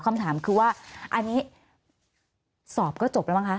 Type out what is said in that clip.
คำถามคือว่าอันนี้สอบก็จบแล้วมั้งคะ